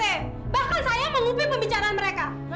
bahkan saya mengupik pembicaraan mereka